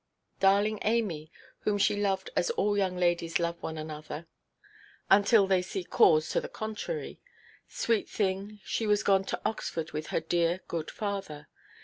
Darling Amy, whom she loved as all young ladies love one another—until they see cause to the contrary—sweet thing, she was gone to Oxford with her dear, good father.